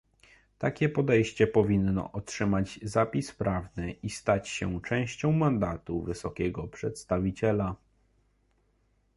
Takie podejście powinno otrzymać zapis prawny i stać się częścią mandatu wysokiego przedstawiciela